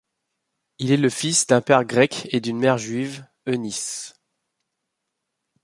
Il est le fils d’un père grec et d’une mère juive, Eunice.